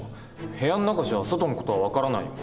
部屋の中じゃ外の事は分からないよ。